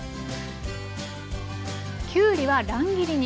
きゅうりは乱切りに。